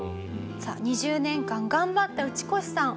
さあ２０年間頑張ったウチコシさん。